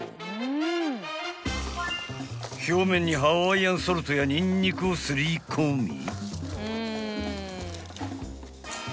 ［表面にハワイアンソルトやにんにくをすり込み］